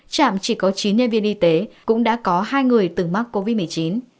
trạm chỉ có chín nhân viên y tế cũng đã có hai người từng mắc covid một mươi chín